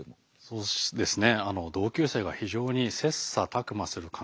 そうですね。